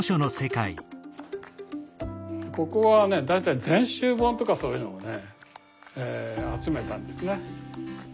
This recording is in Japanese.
ここはね大体全集本とかそういうのをね集めたんですね。